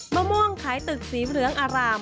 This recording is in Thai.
มะม่วงขายตึกสีเหลืองอาราม